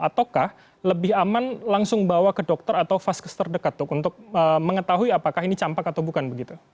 ataukah lebih aman langsung bawa ke dokter atau vaskes terdekat dok untuk mengetahui apakah ini campak atau bukan begitu